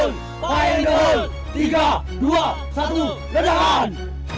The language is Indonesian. tiga dua satu lejakan